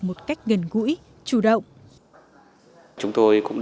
một cách gần gũi chủ động